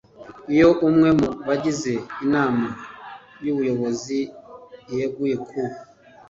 iyo umwe mu bagize inama y ubuyobozi yeguye ku